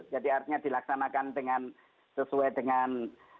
jadi artinya dilaksanakan dengan sesuai dengan